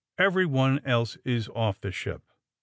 Everyone else is off the ship."